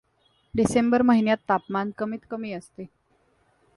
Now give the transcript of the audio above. डिसेंबर महिन्यात तापमान कमीतकमी असते.